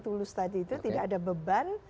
tulus tadi itu tidak ada beban